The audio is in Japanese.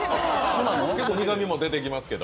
結構苦味も出てきますけど。